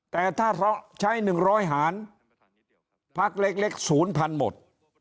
แต่ถ้าใช้๑๐๐หารภักดิ์เล็ก๐พันธุ์หมด